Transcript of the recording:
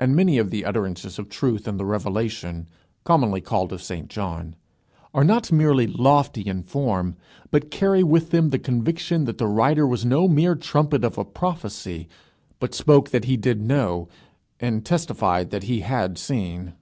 And many of the utterances of truth in the Revelation, commonly called of St John, are not merely lofty in form, but carry with them the conviction that the writer was no mere "trumpet of a prophecy," but spoke that he did know, and testified that he had seen.